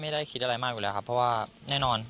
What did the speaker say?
ไม่ได้คิดอะไรมากอยู่แล้วครับเพราะว่าแน่นอน